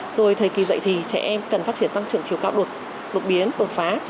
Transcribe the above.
rồi thời kỳ dậy thì trẻ em cần phát triển tăng trưởng chiều cao đột biến bột phá